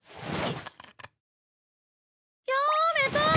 やめた！